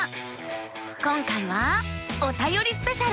今回は「おたよりスペシャル」。